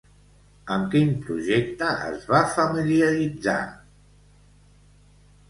Amb quin projecte es va familiaritzar?